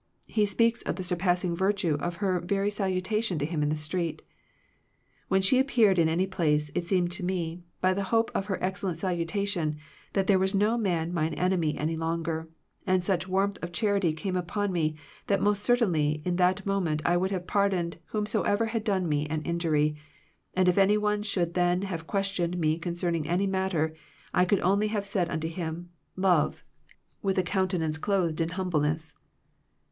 He speaks of the surpassing virtue of her very salutation to him in the street "When she ap peared* in any place, it seemed to me, by the hope of her excellent salutation, that there was no man mine enemy any longer; and such warmth of charity came upon me that most certainly in that mo ment I would have pardoned whomso ever had done me an injury; and if any one should then have questioned me con cernmg any matter, 1 could only have $aid unto him ^ Love,' with a countenance 177 Digitized by VjOOQIC THE RENEWING OF FRIENDSHIP clothed in humbleness."